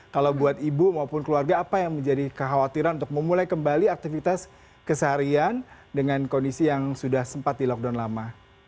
kalau buat ibu maupun keluarga apa yang menjadi kekhawatiran untuk memulai kembali aktivitas keseharian dengan kondisi yang sudah sempat di lockdown lama